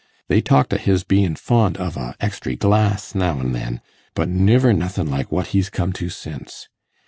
They talked of his bein' fond of a extry glass now an' then, but niver nothin' like what he's come to since.